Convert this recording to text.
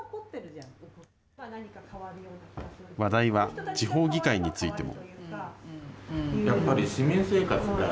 話題は地方議会についても。